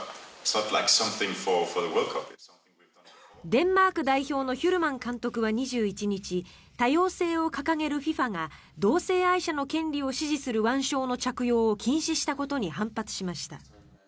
デンマーク代表のヒュルマン監督は２１日多様性を掲げるＦＩＦＡが同性愛者の権利を支持する腕章の着用を禁止したことに反発しました。